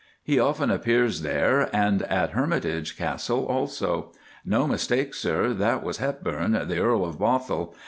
He often appears there, and at Hermitage Castle also. No mistake, sir, that was Hepburn, the Earl of Bothwell.